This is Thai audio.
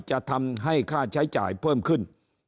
จะทำให้ค่าใช้จ่ายเพิ่มขึ้น